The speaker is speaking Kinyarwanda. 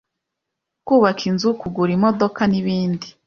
kubaka inzu, kugura imodoka n’ibindi